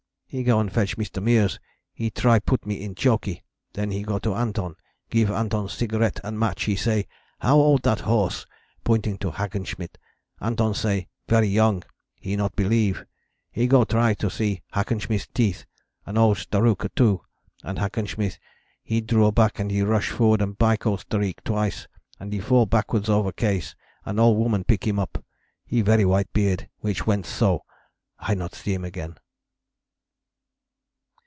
He go and fetch Mr. Meares he try put me in choky. Then he go to Anton give Anton cigarette and match he say 'How old that horse?' pointing to Hackenschmidt Anton say, very young he not believe he go try see Hackenschmidt's teeth and old Starouka too and Hackenschmidt he draw back and he rush forward and bite old Stareek twice, and he fall backwards over case and ole woman pick him up. He very white beard which went so I not see him again."